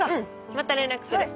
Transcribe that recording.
また連絡する。